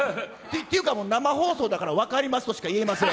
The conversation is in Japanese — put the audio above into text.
っていうかもう、生放送だから、分かりますとしか言えません。